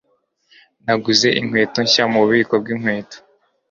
Naguze inkweto nshya mububiko bwinkweto.